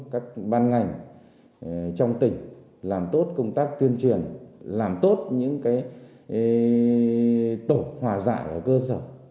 các ban ngành trong tỉnh làm tốt công tác tuyên truyền làm tốt những tổ hòa dạy ở cơ sở